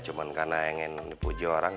cuma karena ingin dipuji orang